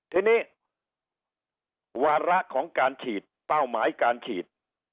ทีนี้วาระของการฉีดเป้าหมายการฉีด